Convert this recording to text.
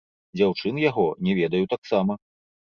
Дзяўчын яго не ведаю таксама.